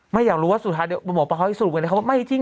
อยากรู้ว่าสุดท้ายเดี๋ยวหมอปลาเขาให้สรุปกันนะครับว่าไม่จริง